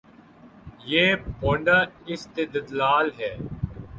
یہ بھونڈا استدلال ہے۔